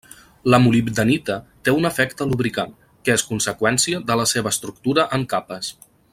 La molibdenita té un efecte lubricant, que és conseqüència de la seva estructura en capes.